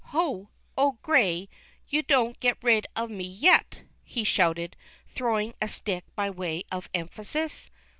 " Ho ! Old Gray, you don't get rid of me yet !" he shouted, throwing a stick by way of emphasis.